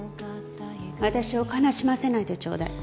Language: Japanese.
私を悲しませないでちょうだい。